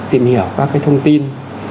tìm hiểu các cái thông tin